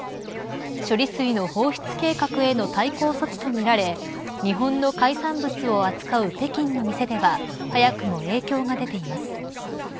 処理水の放出計画への対抗措置とみられ日本の海産物を扱う北京の店では早くも影響が出ています。